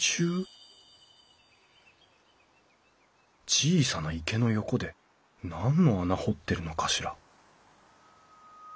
小さな池の横で何の穴掘ってるのかしら？